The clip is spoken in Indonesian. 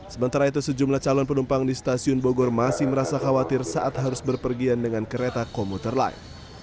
sementara itu sejumlah calon penumpang di stasiun bogor masih merasa khawatir saat harus berpergian dengan kereta komuter lain